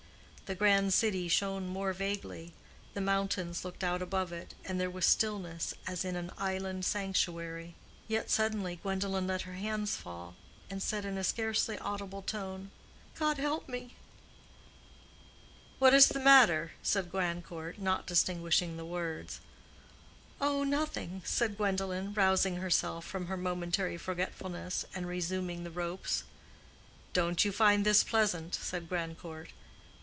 The grand city shone more vaguely, the mountains looked out above it, and there was stillness as in an island sanctuary. Yet suddenly Gwendolen let her hands fall, and said in a scarcely audible tone, "God help me!" "What is the matter?" said Grandcourt, not distinguishing the words. "Oh, nothing," said Gwendolen, rousing herself from her momentary forgetfulness and resuming the ropes. "Don't you find this pleasant?" said Grandcourt.